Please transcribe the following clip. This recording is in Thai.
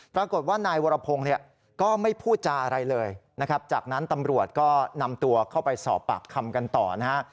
ปรากฏว่านายวรพงศ์เนี่ยก็ไม่พูดจาอะไรเลยนะครับจากนั้นตำรวจก็นำตัวเข้าไปสอบปากคำกันต่อนะฮะ